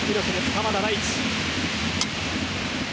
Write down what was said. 鎌田大地。